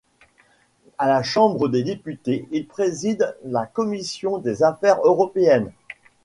À la chambre des députés, il préside la commission des affaires européennes.